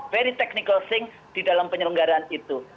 very technical thing di dalam penyelenggaraan itu